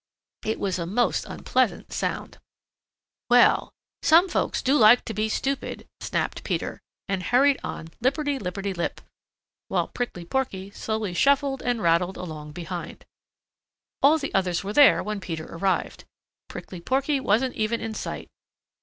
It was a most unpleasant sound. "Well, some folks do like to be stupid," snapped Peter and hurried on, lipperty lipperty lip, while Prickly Porky slowly shuffled and rattled along behind. All the others were there when Peter arrived. Prickly Porky wasn't even in sight.